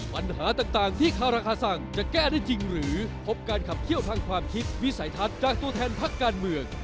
ปัญหาต่างที่คาราคาสั่งจะแก้ได้จริงหรือพบการขับเคี่ยวทางความคิดวิสัยทัศน์จากตัวแทนพักการเมือง